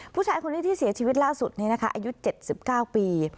ผู้ชายคนนี้ที่เสียชีวิตล่าสุดนี้นะคะอายุ๗๙ปี